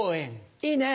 いいね。